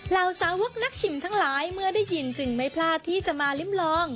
เหล่าสาวกนักชิมทั้งหลายเมื่อได้ยินจึงไม่พลาดที่จะมาลิ้มลอง